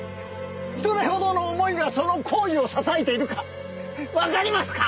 どれほどの思いがその行為を支えているかわかりますか？